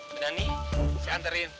bedani saya anterin